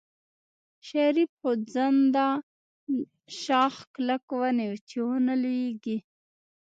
شريف خوځنده شاخ کلک ونيو چې ونه لوېږي.